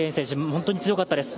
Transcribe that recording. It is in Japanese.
本当に強かったです。